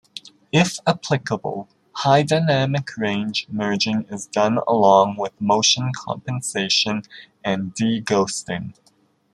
If applicable, high dynamic range merging is done along with motion compensation and deghosting.